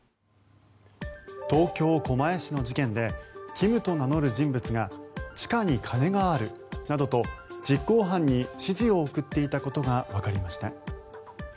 東京・狛江市の事件でキムと名乗る人物が地下に金があるなどと実行犯に指示を送っていたことがわかりました。